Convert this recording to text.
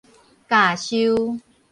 咬岫